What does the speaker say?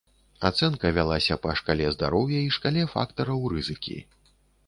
Ацэнка вялася па шкале здароўя і шкале фактараў рызыкі.